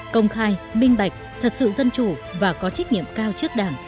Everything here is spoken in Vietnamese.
công khai minh bạch thật sự dân chủ và có trách nhiệm cao trước đảng